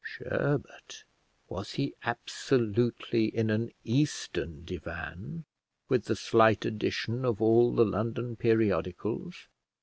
Sherbet! Was he absolutely in an Eastern divan, with the slight addition of all the London periodicals?